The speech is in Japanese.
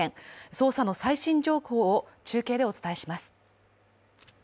捜査の最新情報を中継でお伝えします。